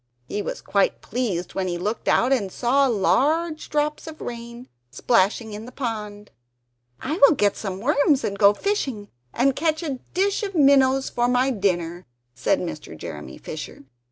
He was quite pleased when he looked out and saw large drops of rain, splashing in the pond "I will get some worms and go fishing and catch a dish of minnows for my dinner," said Mr. Jeremy Fisher.